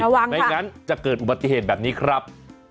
ไม่งั้นจะเกิดอุบัติเหตุแบบนี้ครับ